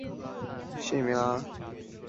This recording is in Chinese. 子荀逝敖。